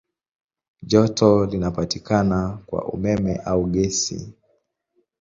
Joto linapatikana kwa umeme au gesi.